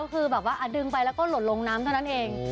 ก็คือแบบว่าดึงไปแล้วก็หล่นลงน้ำเท่านั้นเอง